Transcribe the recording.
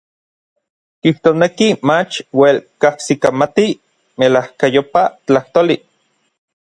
Kijtosneki mach uel kajsikamati n melajkayopaj tlajtoli.